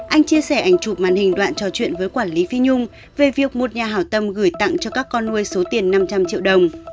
anh chia sẻ ảnh chụp màn hình đoạn trò chuyện với quản lý phi nhung về việc một nhà hảo tâm gửi tặng cho các con nuôi số tiền năm trăm linh triệu đồng